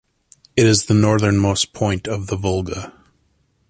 It is the northernmost point of the Volga.